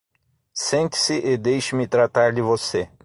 Sente-se e deixe-me tratar de você.